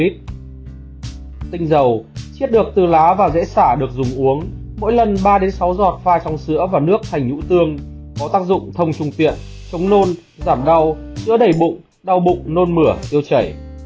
tinh dầu chiết được từ lá và dễ xả được dùng uống mỗi lần ba sáu giọt pha trong sữa và nước thành nhũ tương có tác dụng thông trung tiện chống nôn giảm đau giữa đẩy bụng đau bụng nôn mửa tiêu chảy